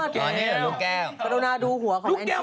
อ๋อเฉยลูกแก้ว